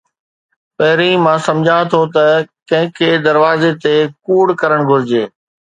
پهرين، مان سمجهان ٿو ته ڪنهن کي دروازي تي ڪوڙ ڪرڻ گهرجي